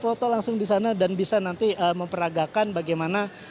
foto langsung di sana dan bisa nanti memperagakan bagaimana